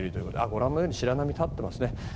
ご覧のように白波が立っていますね。